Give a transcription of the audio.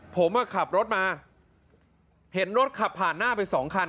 ผมขับรถมาเห็นรถขับผ่านหน้าไปสองคัน